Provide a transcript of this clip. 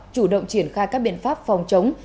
chủ động triển khai các biện pháp phòng chống